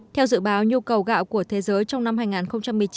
theo dự báo nhu cầu gạo của thế giới trong năm hai nghìn một mươi chín